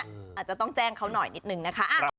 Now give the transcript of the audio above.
อาจจะต้องแจ้งเขาหน่อยนิดนึงนะคะ